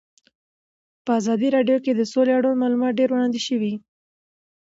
په ازادي راډیو کې د سوله اړوند معلومات ډېر وړاندې شوي.